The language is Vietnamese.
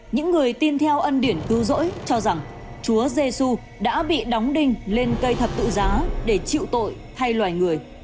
những người tin theo ân điển cứu rỗi cho rằng chúa giê xu đã bị đóng đinh lên cây thật tự giá để chịu tội hay loài người